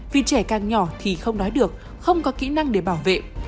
vì trẻ càng nhỏ thì không nói được không có kỹ năng để bảo vệ